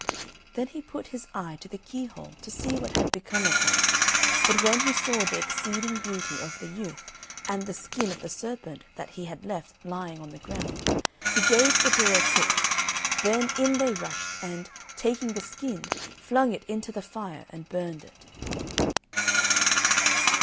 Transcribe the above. Then he put his eye to the key hole to see what had become of her; but when he saw the exceeding beauty of the youth, and the skin of the serpent that he had left lying on the ground, he gave the door a kick, then in they rushed, and, taking the skin, flung it into the fire and burned it.